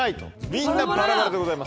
みんなバラバラでございます。